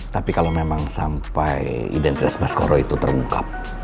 tapi kalo memang sampai identitas bas koro itu terungkap